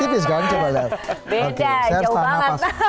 beda jauh banget